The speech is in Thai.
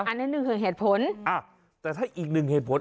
อันนี้หนึ่งคือเหตุผลอ่ะแต่ถ้าอีกหนึ่งเหตุผล